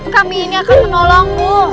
kami ini akan menolongmu